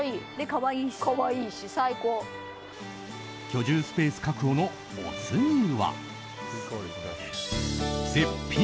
居住スペース確保のお次は絶品！